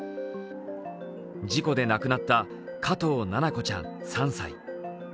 事故で亡くなった加藤七菜子ちゃん３歳。